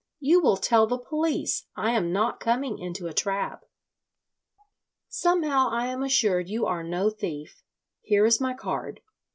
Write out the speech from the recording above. "You will tell the police. I am not coming into a trap." "Somehow I am assured you are no thief. Here is my card.